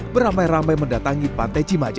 beramai ramai mendatangi pantai cimaja